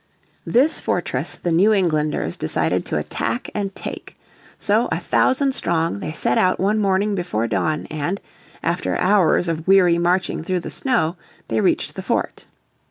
This fortress the New Englanders decided to attack and take. So, a thousand strong, they set out one morning before dawn and, after hours of weary marching through the snow, they reached the fort.